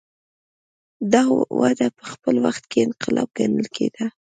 دا وده په خپل وخت کې انقلاب ګڼل کېده.